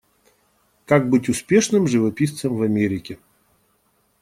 Как быть успешным живописцем в Америке.